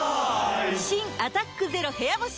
新「アタックＺＥＲＯ部屋干し」